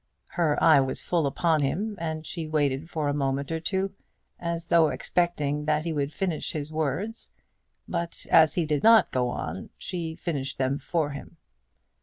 Her eye was full upon him, and she waited for a moment or two as though expecting that he would finish his words. But as he did not go on, she finished them for him.